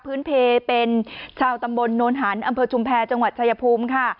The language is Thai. เพลเป็นชาวตำบลโนนหันอำเภอชุมแพรจังหวัดชายภูมิค่ะ